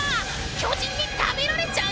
巨人に食べられちゃう！